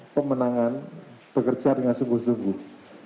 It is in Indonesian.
pemenangan bekerja dengan sungguh sungguh